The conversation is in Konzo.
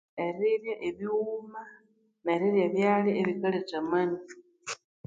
Erirya ebighuma haghuma nevyalya ebikaletha amani